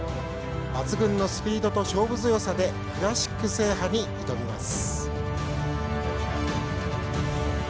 抜群のスピードと勝負強さでクラシック制覇に挑みます。